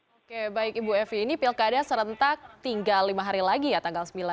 oke baik ibu evi ini pilkada serentak tinggal lima hari lagi ya tanggal sembilan